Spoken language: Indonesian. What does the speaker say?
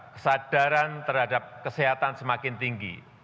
kesadaran terhadap kesehatan semakin tinggi